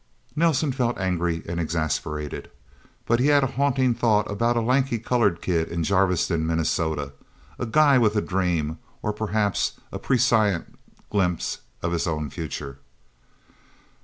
Nelsen felt angry and exasperated. But he had a haunting thought about a lanky colored kid in Jarviston, Minnesota. A guy with a dream or perhaps a prescient glimpse of his own future.